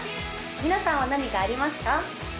皆さんは何かありますか？